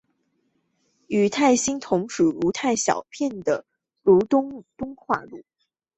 与泰兴同属如泰小片的如东东路话和兴化城区则保留有阳去调。